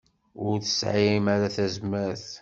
Ur tesɛim ara tazmert.